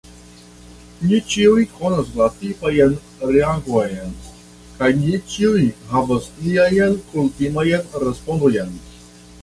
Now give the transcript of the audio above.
Ni ĉiuj konas la tipajn reagojn, kaj ni ĉiuj havas niajn kutimajn respondojn.